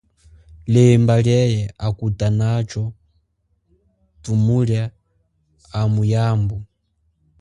Lemba, lie akutanatsho thumulia amu yambu.